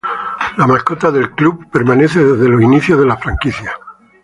La mascota del club permanece desde los inicios de la franquicia.